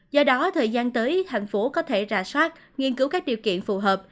do đó thời gian tới thành phố có thể rà soát nghiên cứu các điều kiện phù hợp